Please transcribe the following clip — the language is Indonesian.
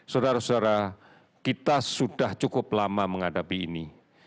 saudara saudara kita sudah cukup lama menghadapi ini